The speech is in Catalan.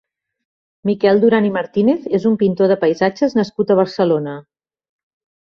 Miquel Duran i Martínez és un pintor de paisatges nascut a Barcelona.